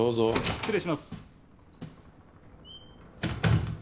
失礼します。